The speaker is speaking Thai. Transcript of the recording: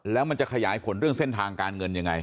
แล้วมันจะขยายผลเรื่องเส้นทางการเงินยังไง